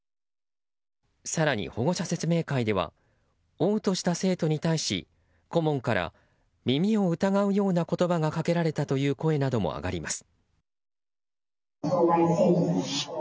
更に、保護者説明会では嘔吐した生徒に対し顧問から耳を疑うような言葉がかけられたという声なども上がります。